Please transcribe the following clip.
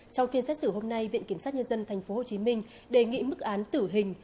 trong phiên xét xử hôm nay viện kiểm sát nhân dân tp hcm đề nghị mức án tử hình